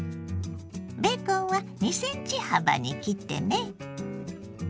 ベーコンは２ｃｍ幅に切ってね。